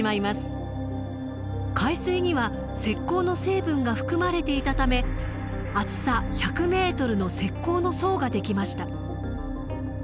海水には石こうの成分が含まれていたため厚さ１００ｍの石こうの層ができました。